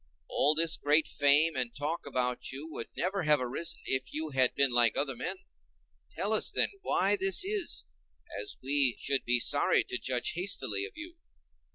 All this great fame and talk about you would never have arisen if you had been like other men: tell us, then, why this is, as we should be sorry to judge hastily of you."